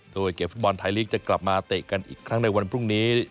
โดยเกมฟุตบอลไทยลีกจะกลับมาเตะกันอีกครั้งในวันพรุ่งนี้